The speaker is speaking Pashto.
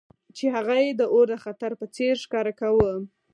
چې هغه یې د اور د خطر په څیر ښکاره کاوه